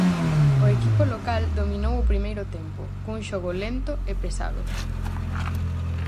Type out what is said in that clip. O equipo local dominou o primeiro tempo, cun xogo lento e pesado.